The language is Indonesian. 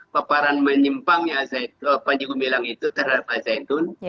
paparan menyimpangnya panji gumilang itu terhadap al zaitun